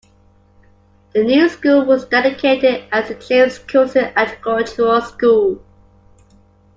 The new school was dedicated as the "James Couzens Agricultural School".